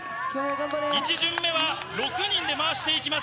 １巡目は６人で回していきます。